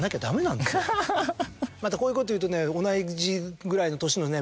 またこういうことを言うとね。